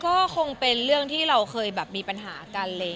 ก็คงเป็นเรื่องที่เราเคยแบบมีปัญหากันเลย